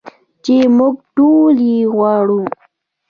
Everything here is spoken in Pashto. چې موږ ټول یې غواړو.